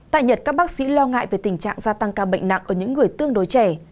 tại nhật các bác sĩ lo ngại về tình trạng gia tăng ca bệnh nặng ở những người tương đối trẻ